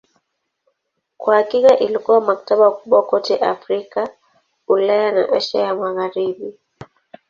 Kwa hakika ilikuwa maktaba kubwa kote Afrika, Ulaya na Asia ya Magharibi.